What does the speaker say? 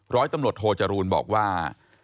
ร้อยตำรวจโทจรูลบอกว่า